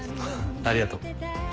ありがとう。